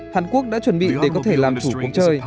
hàn quốc đã chuẩn bị để có thể làm chủ cuộc chơi